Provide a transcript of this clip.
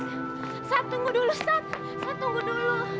sat sat tunggu dulu sat sat tunggu dulu